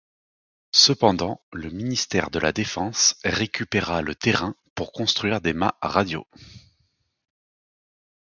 Cependant, le ministère de la Défense récupéra le terrain pour construire des mâts radio.